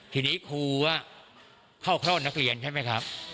ทีนี้ครูอ่ะเข้าคร่อนแล้วเปลี่ยนใช่ไหมครับ